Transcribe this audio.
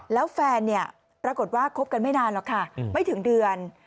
แล้วแฟนเนี่ยปรากฏว่าคบกันไม่นานหรอกค่ะไม่ถึงเดือน